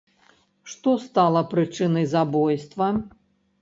Што стала прычынай забойства?